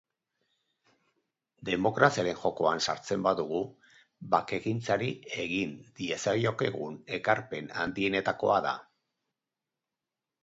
Demokraziaren jokoan sartzen badugu, bakegintzari egin diezaiokegun ekarpen handienetakoa da.